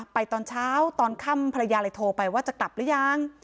ตอนเช้าตอนค่ำภรรยาเลยโทรไปว่าจะกลับหรือยัง